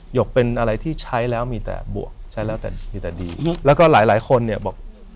หยกเป็นอะไรที่ใช้แล้วมีแต่บวกใช้แล้วแต่ดีแล้วก็หลายคนบอก